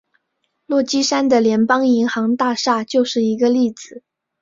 洛杉矶的联邦银行大厦就是一个例子。